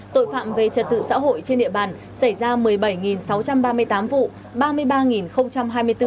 tội phạm về trật tự xã hội trên địa bàn xảy ra một mươi bảy sáu trăm ba mươi tám vụ